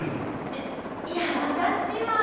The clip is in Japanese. えいや私は。